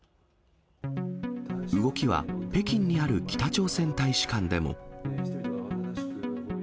動きは北京にある北朝鮮大使館でも。